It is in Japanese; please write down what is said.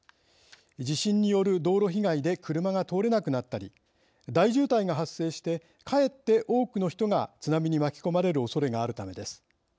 地震による道路被害で車が通れなくなったり大渋滞が発生してかえって多くの人が津波に巻き込まれるおそれがあるためです。